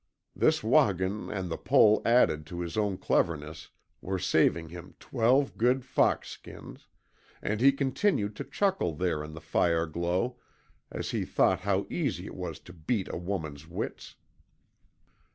This WAHGUN and the pole added to his own cleverness were saving him twelve good fox skins, and he continued to chuckle there in the fireglow as he thought how easy it was to beat a woman's wits.